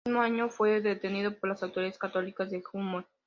El mismo año fue detenido por las autoridades católicas en Gmünd.